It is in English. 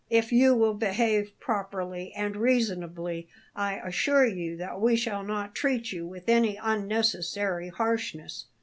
If you will behave properly and reasonably, I assure you that we shall not treat you with any unnecessary harshness."